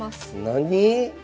何？